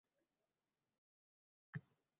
Hazratqul otasining katta oʻgʻli edi.